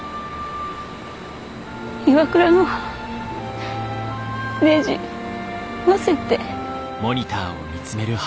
ＩＷＡＫＵＲＡのねじ載せて。